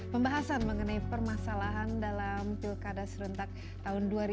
pembahasan mengenai permasalahan dalam pilkada serentak tahun dua ribu tujuh belas bersama invai